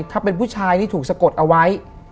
ถ้าเป็นผู้ชายที่ถูกสะกดเอาไว้